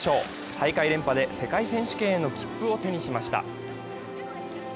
大会連覇で世界選手権への切符を手にしました。